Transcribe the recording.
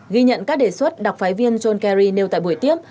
ghi nhận các đề xuất đặc phái viên john kerry nêu tại buổi tiếp